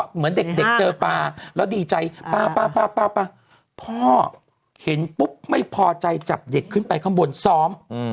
เหมือนเด็กเจอปลาแล้วดีใจป้าพ่อเห็นปุ๊บไม่พอใจจับเด็กขึ้นไปข้างบนซ้อม